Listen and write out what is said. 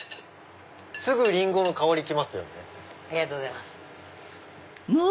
すぐリンゴの香り来ますよね。